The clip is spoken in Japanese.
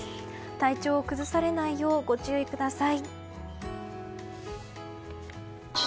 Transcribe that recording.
体調を崩されないようご注意ください。